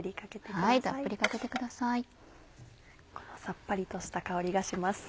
さっぱりとした香りがします。